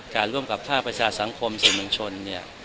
ร่วมกับภาคประชาสังคมสื่อมวลชนเนี่ย